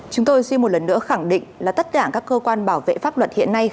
chúng tôi xin một lần nữa khẳng định là tất cả các cơ quan bảo vệ pháp luật hiện nay